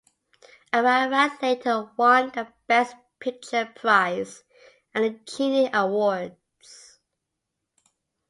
"Ararat" later won the Best Picture prize at the Genie Awards.